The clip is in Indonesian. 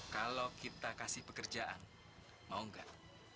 kalau kita kasih pekerjaan mau enggak